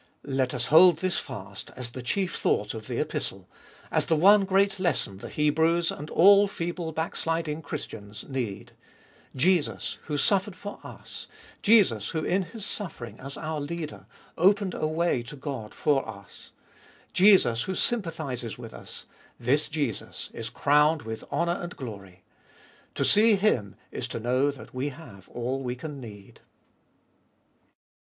Let us hold this fast as the chief thought of the Epistle, as the one great lesson the Hebrews, and all feeble backsliding Christians, need : Jesus, who suffered for us ; Jesus who in His suffering as our Leader, opened a way to God for us ; Jesus who sympathises with us — this Jesus is crowned with honour and glory. To see Him is to know that we have all we can need.